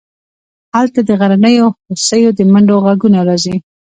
هلته د غرنیو هوسیو د منډو غږونه راځي